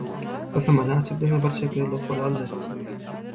Gysymyny açyp diňe bir çekerlik puly aldy